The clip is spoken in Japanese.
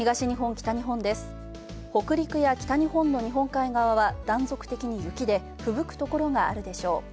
北陸や北日本の日本海側は断続的に雪でふぶくところがあるでしょう。